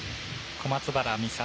小松原美里